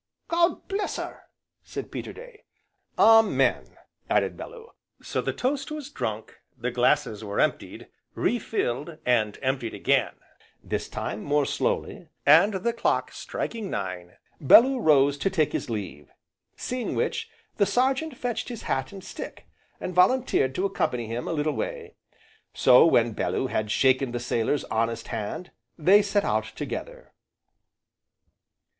"God bless her!" said Peterday. "Amen!" added Bellew. So the toast was drunk, the glasses were emptied, re filled, and emptied again, this time more slowly, and, the clock striking nine, Bellew rose to take his leave. Seeing which, the Sergeant fetched his hat and stick, and volunteered to accompany him a little way. So when Bellew had shaken the sailor's honest hand, they set out together.